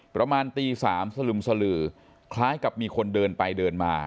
ประมาณตี๓สลึมสลือคล้ายกับมีคนเดินไปเดินมา